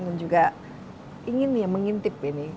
dan juga ingin mengintip ini